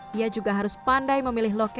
dia juga harus pandai memilih kualitas kontrol